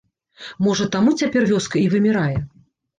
Можа таму цяпер вёска і вымірае?